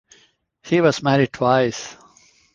He was married twice.